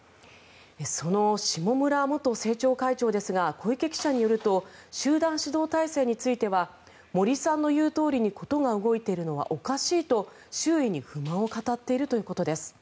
その下村元政調会長ですが小池記者によると集団指導体制については森さんの言うとおりに事が動いているのはおかしいと周囲に不満を語っているということです。